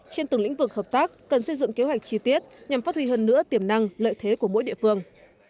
trên từng lĩnh vực hợp tác cần xây dựng kế hoạch chi tiết nhằm phát huy hơn nữa tiềm năng lợi thế của mỗi địa phương